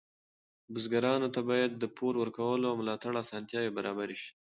بزګرانو ته باید د پور ورکولو او ملاتړ اسانتیاوې برابرې شي.